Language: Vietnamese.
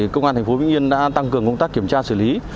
công an thành phố vĩnh yên đã tăng cường công tác kiểm tra xử lý